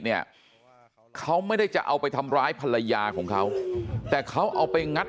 เนี่ยเขาไม่ได้จะเอาไปทำร้ายภรรยาของเขาแต่เขาเอาไปงัด